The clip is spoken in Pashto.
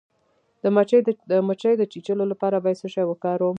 د مچۍ د چیچلو لپاره باید څه شی وکاروم؟